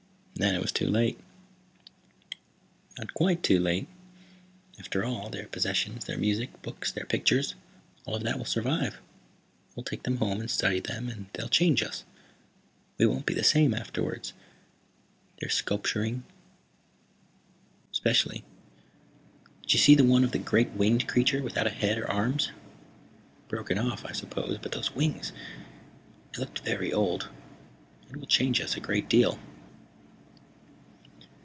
"And then it was too late." "Not quite too late. After all, their possessions, their music, books, their pictures, all of that will survive. We'll take them home and study them, and they'll change us. We won't be the same afterwards. Their sculpturing, especially. Did you see the one of the great winged creature, without a head or arms? Broken off, I suppose. But those wings It looked very old. It will change us a great deal."